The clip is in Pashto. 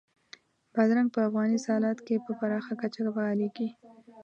بادرنګ په افغاني سالاد کې په پراخه کچه کارېږي.